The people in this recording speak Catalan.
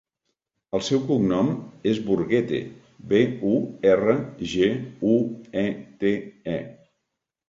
El seu cognom és Burguete: be, u, erra, ge, u, e, te, e.